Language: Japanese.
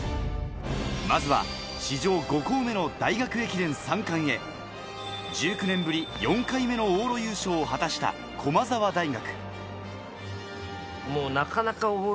まずは史上５校目の大学駅伝３冠へ、１９年ぶり４回目の往路優勝を果たした駒澤大学。